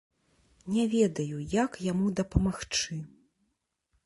Не ведаю, як яму дапамагчы.